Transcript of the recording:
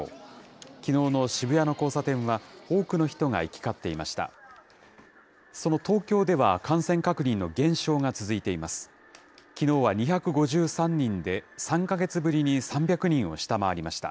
きのうの渋谷の交差点は、多くの人が行き交っていました。